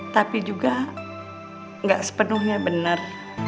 tapi juga nggak sepenuhnya benar